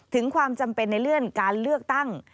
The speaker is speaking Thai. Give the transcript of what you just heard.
ถึงความจำเป็นในเลื่อนการเลือกตั้ง